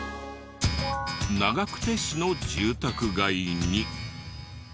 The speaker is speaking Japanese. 長久手市の住宅街に。